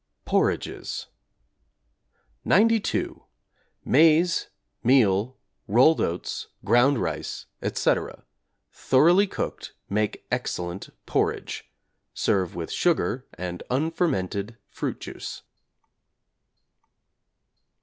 PORRIDGES =92.= Maize, Meal, Rolled Oats, Ground Rice, etc., thoroughly cooked make excellent porridge. Serve with sugar and unfermented fruit juice.